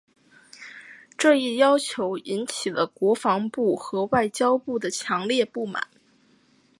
这一要求引起了国防部和外交部的强烈不满。